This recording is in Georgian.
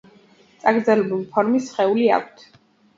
წაგრძელებული ფორმის სხეული აქვთ.